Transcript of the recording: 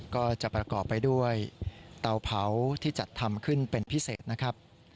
ก็จะประกอบไปด้วยเตาเผาที่จัดทำขึ้นเป็นพิเศษนะครับ